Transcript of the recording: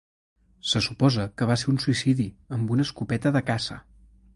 Se suposa que va ser un suïcidi amb una escopeta de caça.